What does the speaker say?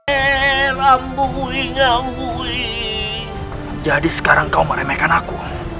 eh rambut ngambul jadi sekarang kau meremehkan aku